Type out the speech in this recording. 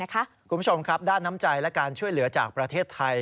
คุณผู้ชมครับด้านน้ำใจและการช่วยเหลือจากประเทศไทย